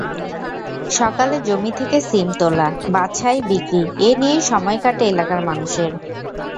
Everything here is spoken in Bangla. সকালে জমি থেকে শিম তোলা, বাছাই, বিক্রি—এ নিয়েই সময় কাটে এলাকার মানুষের।